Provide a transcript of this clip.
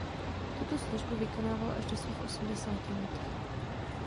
Tuto službu vykonával až do svých osmdesáti let.